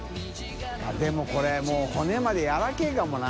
任これもう骨までやわらかいかもな。